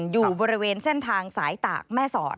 อยู่บริเวณเส้นทางสายตากแม่สอด